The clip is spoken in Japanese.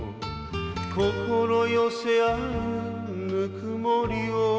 「心寄せ合うぬくもりを」